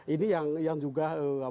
ini yang juga